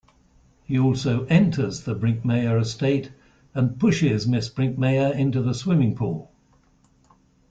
He also enters the Brinkmeyer estate and pushes Miss Brinkmeyer into the swimming pool.